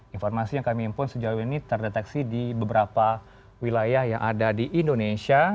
informasi yang kami impun sejauh ini terdeteksi di beberapa wilayah yang ada di indonesia